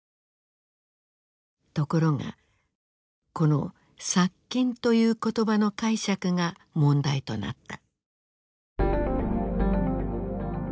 ところがこの「殺菌」という言葉の解釈が問題となった。